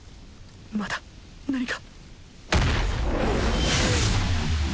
まだ何か。